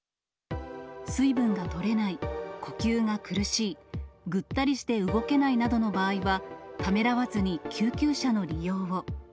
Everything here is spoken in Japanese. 水分がとれない、呼吸が苦しい、ぐったりして動けないなどの場合は、ためらわずに救急車の利用を。